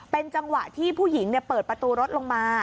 เป็นจังหวะที่ผู้หญิงเปิดประตูรถลงมา